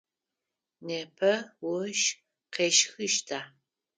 Непэ ощх къещхыщта?